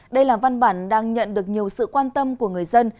đây là văn bản đang nhận được nhiều sự quan tâm của người dân